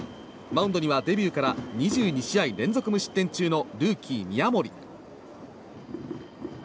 マウンドにはデビューから２２試合連続無失点中のルーキー、宮森。